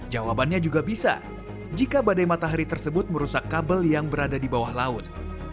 jawabannya juga bisa jika badai matahari tersebut merusak kabel yang berada di bawah laut